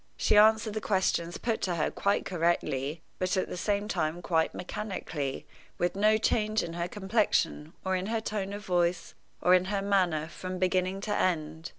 She answered the questions put to her quite correctly, but at the same time quite mechanically, with no change in her complexion, or in her tone of voice, or in her manner, from beginning to end.